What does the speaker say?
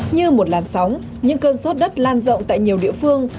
như một làn sóng những cơn sốt đất lan rộng tại nhiều địa phương